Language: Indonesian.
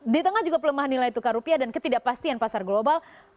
di tengah juga pelemahan nilai tukar rupiah dan ketidakpastian pasar global